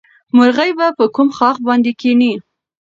مرغۍ به په کوم ښاخ باندې کېني؟